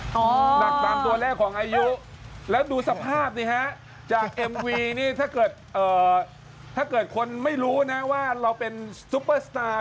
หนักตามตัวแรกของอายุแล้วดูสภาพนี่ฮะจากเอ็มวีนี่ถ้าเกิดถ้าเกิดคนไม่รู้นะว่าเราเป็นซุปเปอร์สตาร์